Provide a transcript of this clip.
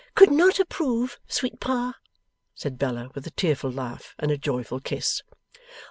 'Could not approve, sweet Pa,' said Bella, with a tearful laugh and a joyful kiss.